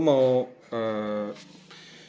salah satu yang bisa dibilang